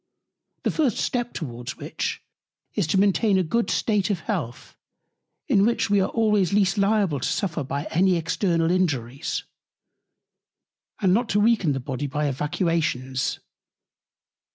The first Step towards which, is to maintain a good State of Health, in which we are always least liable to suffer by any external Injuries; and not to weaken the Body by Evacuations.